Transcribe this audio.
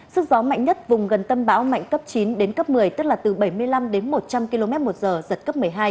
sức gió mạnh nhất vùng gần tâm bão mạnh cấp chín đến cấp một mươi tức là từ bảy mươi năm đến một trăm linh km một giờ giật cấp một mươi hai